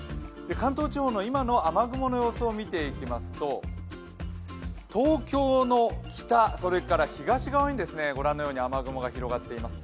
関東地方の今の雨雲の様子を見ていきますと東京の北、それから東側にご覧のように雨雲が広がっています。